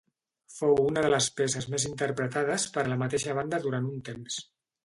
Fou una de les peces més interpretades per la mateixa banda durant un temps.